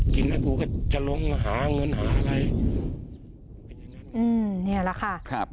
กินแล้วกูก็จะลงหาเงินหาอะไรอืมเนี่ยแหละค่ะครับ